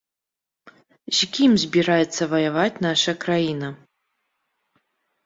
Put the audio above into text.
З кім збіраецца ваяваць наша краіна?